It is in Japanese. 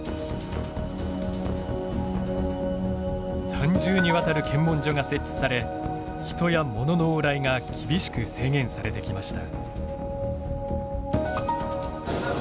３重にわたる検問所が設置され人や物の往来が厳しく制限されてきました。